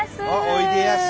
「おいでやす」。